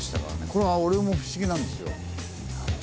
これは俺も不思議なんですよ。